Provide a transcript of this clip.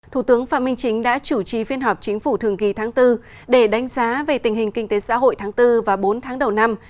thủ tướng phạm minh chính đã chủ trì phiên họp chính phủ thường kỳ tháng bốn để đánh giá về tình hình kinh tế xã hội tháng bốn và bốn tháng đầu năm